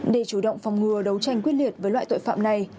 để chủ động phòng ngừa đấu tranh quyết liệt với loại tội phạm này